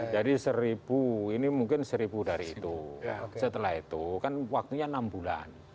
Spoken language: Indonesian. jadi seribu ini mungkin seribu dari itu setelah itu kan waktunya enam bulan